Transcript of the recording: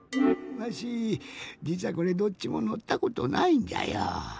わしじつはこれどっちものったことないんじゃよ。